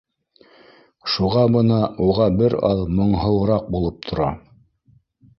Шуға бына уға бер аҙ моңһоуыраҡ булып тора